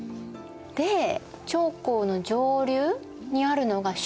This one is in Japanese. で長江の上流にあるのが蜀。